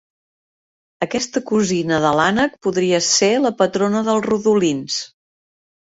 Aquesta cosina de l'ànec podria ser la patrona dels rodolins.